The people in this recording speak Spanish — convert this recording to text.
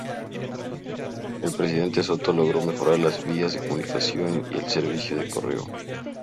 El presidente Soto logró mejorar las vías de comunicación y el servicio de correo.